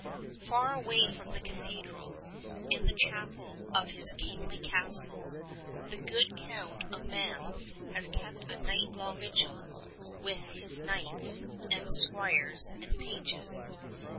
Far away from the cathedral, in the chapel of his kingly castle, the good Count of Mans has kept a night long vigil with his knights and squires and pages.